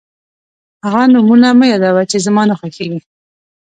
هغه نومونه مه یادوه چې زما نه خوښېږي.